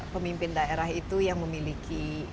pemimpin daerah itu yang memiliki